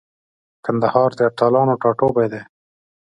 کندهار د اتلانو ټاټوبی دی.